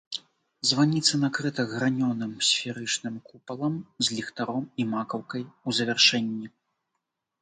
Званіца накрыта гранёным сферычным купалам з ліхтаром і макаўкай у завяршэнні.